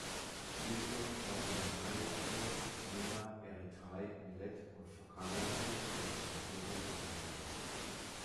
Ilion, Klazomenai, Chios, Smyrna, Erythrai, Milet und Phokaia durften ihr Territorium erweitern.